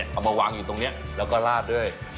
เอามาวางอยู่ตรงนี้แล้วก็ลาดด้วย